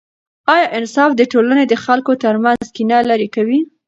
آیا انصاف د ټولنې د خلکو ترمنځ کینه لیرې کوي؟